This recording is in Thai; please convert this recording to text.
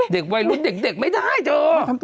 เด็กวัยรุ่นเด็กไม่ได้เธอ